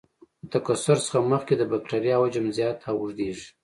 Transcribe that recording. د تکثر څخه مخکې د بکټریا حجم زیات او اوږدیږي.